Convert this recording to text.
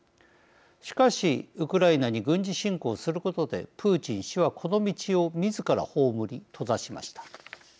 しかしウクライナに軍事侵攻することでプーチン氏はこの道を自ら葬り閉ざしました。